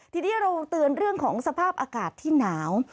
ทีนี้เราเตือนเรื่องของสภาพอากาศที่หนาว